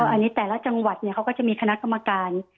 อันนี้แต่ละจังหวัดเขาก็จะมีคณะกรรมการ